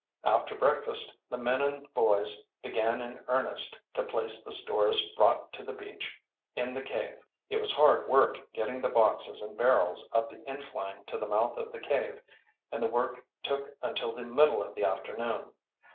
After breakfast, the men and boys began in earnest to place the stores brought to the beach in the cave. It was hard work getting the boxes and barrels up the incline to the mouth of the cave, and the work took until the middle of the afternoon.